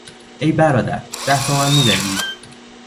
ای برادر، ده تومان میدهی؟